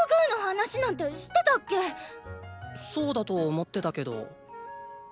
そうだと思ってたけど。